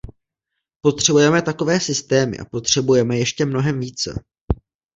Potřebujeme takové systémy a potřebujeme ještě mnohem více.